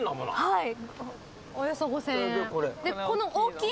はい。